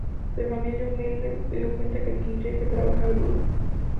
De familia humilde, se dio cuenta que tendría que trabajar duro.